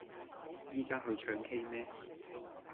依家去唱 k 咩